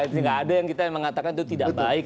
tidak ada yang kita mengatakan itu tidak baik